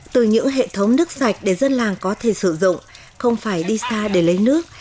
từ những hệ thống nước sạch để dân làng có thể sử dụng không phải đi xa để lấy nước